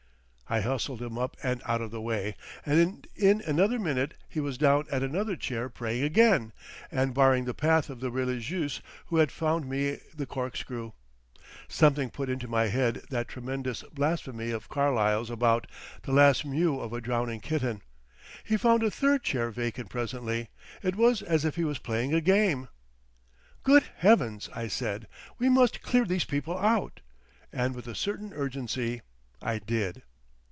I hustled him up and out of the way, and in another minute he was down at another chair praying again, and barring the path of the religieuse, who had found me the corkscrew. Something put into my head that tremendous blasphemy of Carlyle's about "the last mew of a drowning kitten." He found a third chair vacant presently; it was as if he was playing a game. "Good Heavens!" I said, "we must clear these people out," and with a certain urgency I did.